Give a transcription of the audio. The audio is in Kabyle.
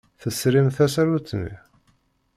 Tesrim tasarut-nni?